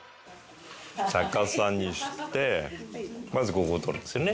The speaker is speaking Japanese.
逆さにしてまずここを取るんですよね。